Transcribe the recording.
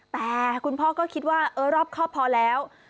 แต่คุณพ่อก็คิดว่ารอบครอบพอแล้ว